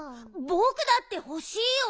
ぼくだってほしいよ。